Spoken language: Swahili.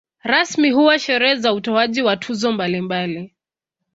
Rasmi huwa sherehe za utoaji wa tuzo mbalimbali.